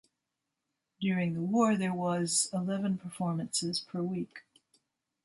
During the war there was eleven performances per week.